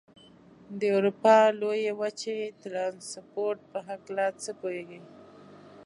د اروپا لویې وچې د ترانسپورت په هلکه څه پوهېږئ؟